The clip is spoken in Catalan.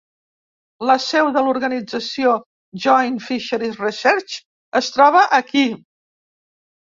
La seu de l'organització Joint Fisheries Research es troba aquí.